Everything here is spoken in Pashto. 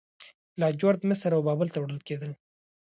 لاجورد مصر او بابل ته وړل کیدل